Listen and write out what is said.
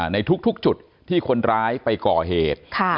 ในทุกจุดที่คนร้ายไปก่อเหตุ